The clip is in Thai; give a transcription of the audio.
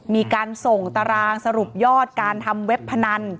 มีการส่งตารางสรุปยอดการทำเว็บพนัน